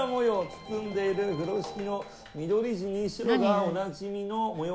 包んでいる風呂敷の緑地に白がおなじみの模様はなんでしょう？